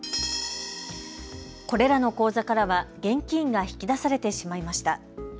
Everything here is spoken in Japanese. これらの口座からは現金が引き出されてしまいました。